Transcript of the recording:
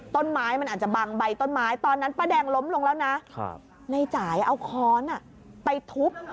ต้นไม้มันอาจจะบังใบต้นไม้ตอนนั้นป้าแดงล้มลงแล้วนะในจ่ายเอาค้อนไปทุบ